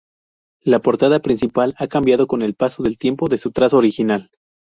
La portada principal ha cambiado con el paso del tiempo de su trazo original.